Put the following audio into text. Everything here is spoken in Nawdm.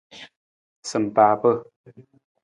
Sampaapa.